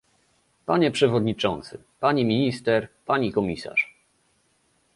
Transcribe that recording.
Panie przewodniczący, pani minister, pani komisarz